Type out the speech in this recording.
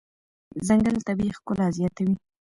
ځنګل طبیعي ښکلا زیاتوي.